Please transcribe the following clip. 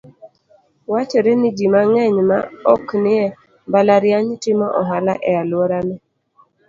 Wachore ni ji mang'eny ma oknie mbalariany, timo ohala e alworani.